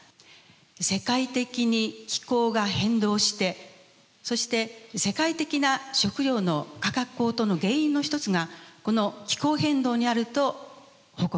世界的に気候が変動してそして世界的な食料の価格高騰の原因の一つがこの気候変動にあると報告がありました。